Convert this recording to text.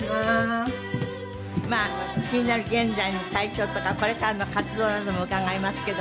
まあ気になる現在の体調とかこれからの活動なども伺いますけど。